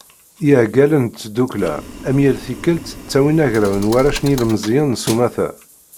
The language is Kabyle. Iεeggalen n tdukkla-a, am yal tikkelt, ttawin agraw n warrac d yilemẓiyen s umata.